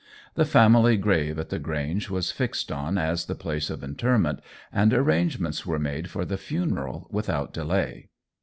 The family grave at the Grange was fixed on as the place of interment, and arrangements were made for the funeral without delay.